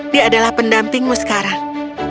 dia adalah pendampingmu sekarang